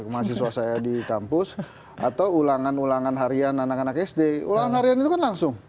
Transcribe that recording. mahasiswa saya di kampus atau ulangan ulangan harian anak anak sd ulangan harian itu kan langsung